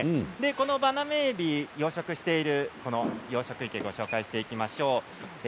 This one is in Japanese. このバナメイエビ養殖している養殖池をご紹介していきましょう。